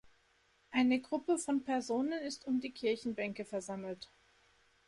Eine Gruppe von Personen ist um die Kirchenbänke versammelt.